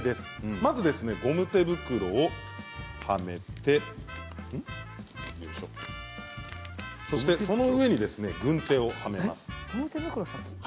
まずゴム手袋をはめて、その上に軍手をはめます。